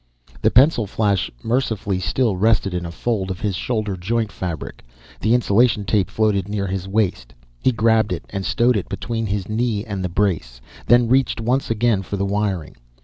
The pencil flash, mercifully, still rested in a fold of his shoulder joint fabric. The insulation tape floated near his waist; he grabbed it and stowed it between his knee and the brace, then reached once again for the wiring.